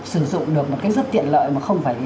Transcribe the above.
sử dụng được một cái giúp tiện lợi mà không phải